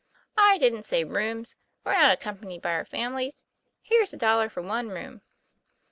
"I didn't say rooms. We're not accompanied by our families. Here's a dollar for one room."